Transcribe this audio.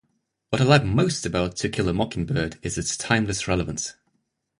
What I love most about "To Kill a Mockingbird" is its timeless relevance.